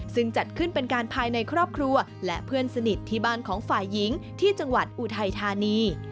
ซึ่งจัดขึ้นเป็นการภายในครอบครัวและเพื่อนสนิทที่บ้านของฝ่ายหญิงที่จังหวัดอุทัยธานี